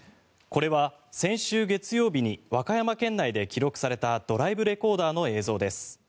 これは先週月曜日に和歌山県内で記録されたドライブレコーダーの映像です。